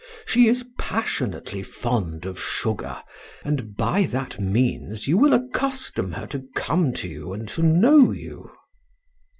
She is passionately fond of sugar, and by that means you will accustom her to come to you and to know you."